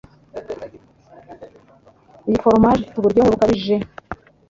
Iyi foromaje ifite uburyohe bukabije.